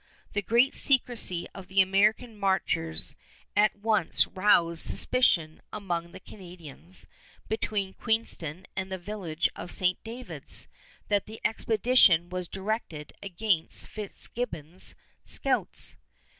The great secrecy of the American marchers at once roused suspicion among the Canadians between Queenston and the village of St. David's that the expedition was directed against Fitzgibbons' scouts.